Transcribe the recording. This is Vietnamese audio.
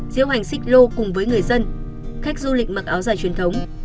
diễu hành xích lô cùng với người dân khách du lịch mặc áo dài truyền thống